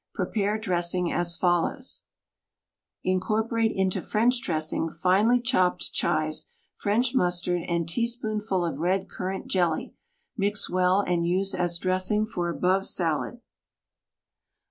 Prepare dressing as follows: Incorporate into French dressing finely chopped chives, French mustard and tea spoonful of red currant jelly; mix well and use as dress ing for above salad.